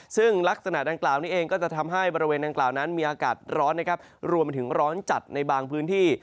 ซึ่งลักษณะดังกล่าวนี้เองก็จะทำให้บริเวณดังกล่าวนั้นมีอากาศร้อนนะครับรวมไปถึงร้อนจัดในบางพื้นที่